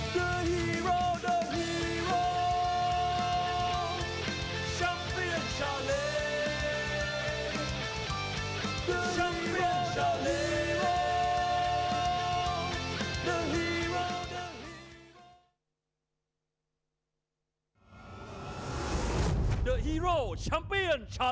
โปรดติดตามตอนต่อไป